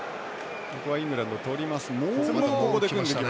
ここはイングランドとります。